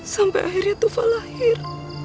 sampai akhirnya tufa lahir